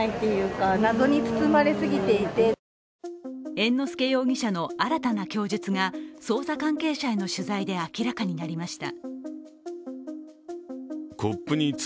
猿之助容疑者の新たな供述が捜査関係者への取材で明らかになりました。